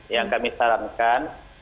yang kami sarankan